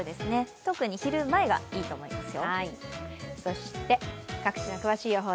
特に昼前がいいと思いますよ。